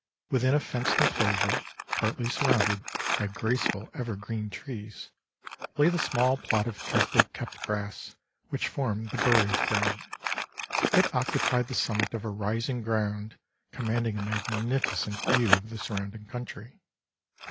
Within a fenced enclosure, partly surrounded by graceful, ever green trees, lay the small plot of carefully kept grass which formed the burial ground. It occupied the summit of a rising ground commanding a magnificent view of the surrounding country.